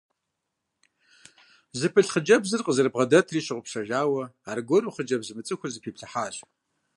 Зыпылъ хъыджэбзыр къызэрыбгъэдэтри щыгъупщэжауэ, аргуэру хъыджэбз мыцӏыхур зэпиплъыхьащ.